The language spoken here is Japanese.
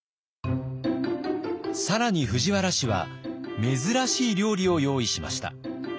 更に藤原氏は珍しい料理を用意しました。